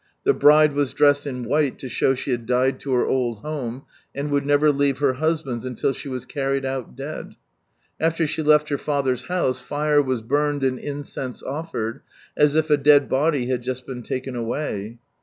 The bride was dressed in white to show she had died to her old home, and would never leave her husband's until she was carried out — dead. After she left her father's house, fire was burned and incense offered, as if a dead body had just been taken away.